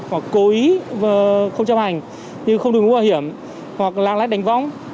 hoặc cố ý không chấp hành như không đội bú bảo hiểm hoặc lạc lách đánh vong